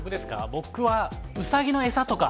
僕はうさぎの餌とか。